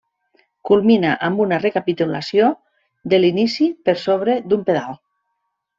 Culmina amb una recapitulació de l'inici per sobre d'un pedal.